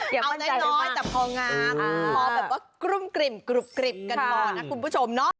เอาได้น้อยแต่พองานพอกรุ่มกริ่มกรุบกริบกันหมดนะคุณผู้ชม